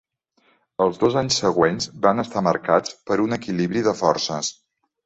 Els dos anys següents van estar marcats per un equilibri de forces.